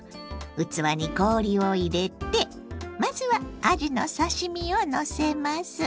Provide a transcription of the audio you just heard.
器に氷を入れてまずはあじの刺身をのせます。